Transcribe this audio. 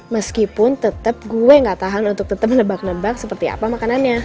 meskipun tetap gue gak tahan untuk tetap nebak nebak seperti apa makanannya